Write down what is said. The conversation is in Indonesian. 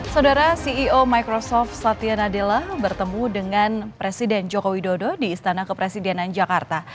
saudara ceo microsoft satya nadella bertemu dengan presiden joko widodo di istana kepresidenan jakarta